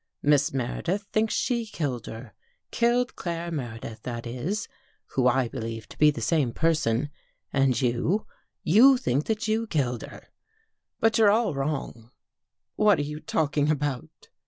Miss Meredith thinks she killed her — killed Claire Meredith that Is, who I believe to be the same person, and you — you think that you killed her. But you're all wrong." "What are you talking about?"